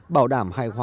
bảo đảm hài hóa